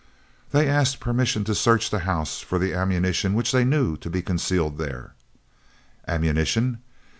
They asked permission to search the house for the ammunition which they knew to be concealed there. Ammunition!